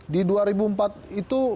di dua ribu empat itu